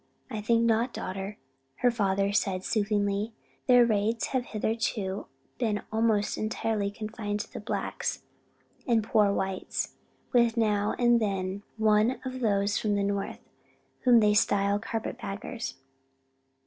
"I think not, daughter," her father said soothingly; "their raids have hitherto been almost entirely confined to the blacks, and poor whites, with now and then one of those from the North whom they style carpet baggers."